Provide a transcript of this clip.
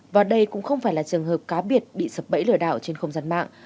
và đây cũng không phải là trường hợp cá biệt bị sập bẫy lừa đảo trên không gian mạng